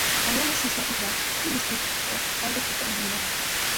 The youngest sister, Eva predeceased her elder sisters and her mother.